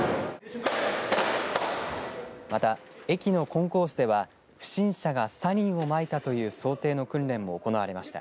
また駅のコンコースでは不審者がサリンをまいたという想定の訓練も行われました。